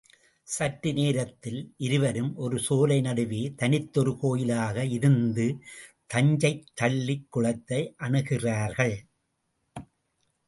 சற்று நேரத்தில் இருவரும் ஒரு சோலை நடுவே தனித்ததொரு கோயிலாக இருந்த தஞ்சைத் தளிக் குளத்தை அணுகுகிறார்கள்.